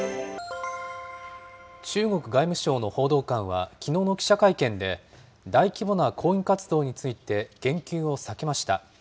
中国外務省の報道官は、きのうの記者会見で、大規模な抗議活動について言及を避けました。